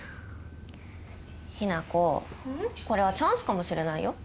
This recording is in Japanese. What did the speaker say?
雛子これはチャンスかもしれないよ？